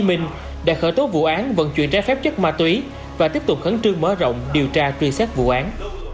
minh đã khởi tố vụ án vận chuyển trái phép chất ma túy và tiếp tục khẩn trương mở rộng điều tra truy xét vụ án